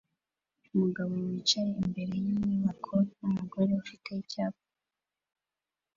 Umugabo wicaye imbere yinyubako numugore ufite icyapa